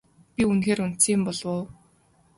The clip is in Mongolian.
Би үнэхээр унтсан юм болов уу?